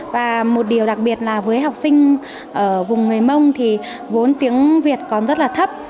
và một điều đặc biệt là với học sinh ở vùng người mông thì vốn tiếng việt còn rất là thấp